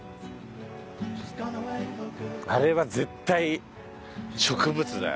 あれは絶対植物だよ。